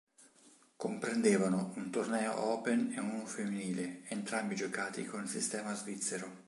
Comprendevano un torneo "open" e uno femminile, entrambi giocati con il sistema svizzero.